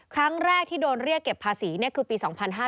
ครั้งแรกที่โดนเรียกเก็บภาษีคือปี๒๕๕๙